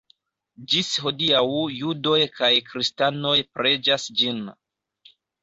Ĝis hodiaŭ judoj kaj kristanoj preĝas ĝin.